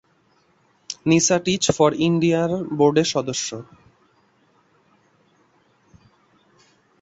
Nisa teach for ইন্ডিয়ার বোর্ডের সদস্য।